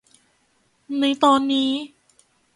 ในตอนนี้